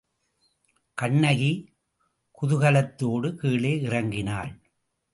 கண்ணகி குதூகலத்தோடு கீழே இறங்கினாள்.